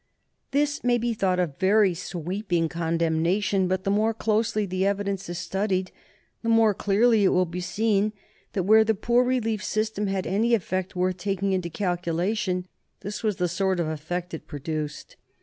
This may be thought a very sweeping condemnation, but the more closely the evidence is studied the more clearly it will be seen that where the poor relief system had any effect worth taking into calculation this was the sort of effect it produced.